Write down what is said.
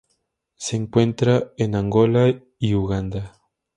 Se encuentra en Angola y Uganda.